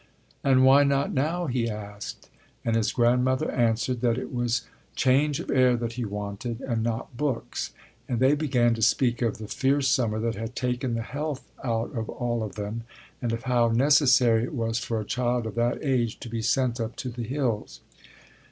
And why not now? he asked, and his grandmother answered that it was change of air that he wanted and not books; and they began to speak of the fierce summer that had taken the health out of all of them, and of how necessary it was for a child of that age to be sent up to the hills.